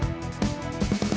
bukanlah harus nengkel